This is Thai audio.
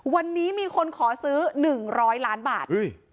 วันนี้มีคนขอซื้อหนึ่งร้อยล้านบาท